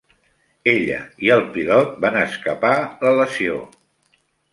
Ella i el pilot van escapar la lesió.